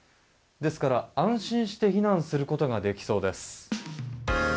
ですから安心して避難することができそうです。